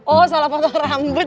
oh salah potong rambut